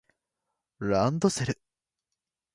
ランドセル